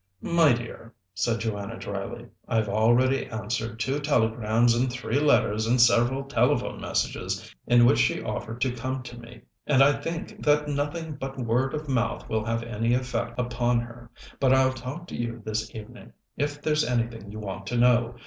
"My dear," said Joanna dryly, "I've already answered two telegrams and three letters and several telephone messages in which she offered to come to me, and I think that nothing but word of mouth will have any effect upon her. But I'll talk to you this evening, if there's anything you want to know.